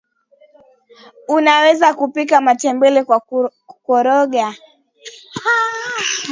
unaweza kupika matembele kwa kukoriroga